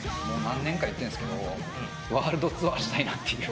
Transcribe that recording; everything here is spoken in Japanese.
もう何年か言ってんすけどワールドツアーしたいなって。